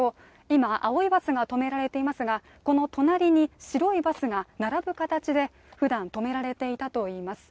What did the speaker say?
今、青いバスが止められていますがこの隣に白いバスが並ぶ形でふだん止められていたといいます。